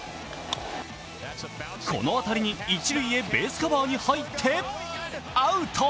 この当たりに一塁へベースカバーに入って、アウト！